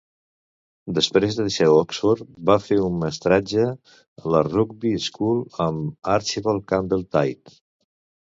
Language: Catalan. Després de deixar Oxford, va fer un mestratge a la Rugby School amb Archibald Campbell Tait.